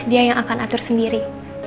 dia yang akan atur sendiri